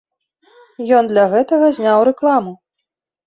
Ён для гэтага зняў рэкламу.